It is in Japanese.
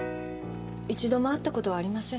一度も会ったことはありません。